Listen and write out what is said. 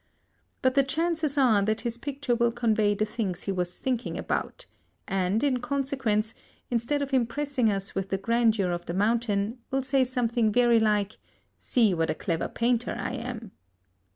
But the chances are that his picture will convey the things he was thinking about, and, in consequence, instead of impressing us with the grandeur of the mountain, will say something very like "See what a clever painter I am!"